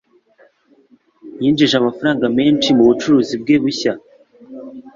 Yinjije amafaranga menshi mubucuruzi bwe bushya.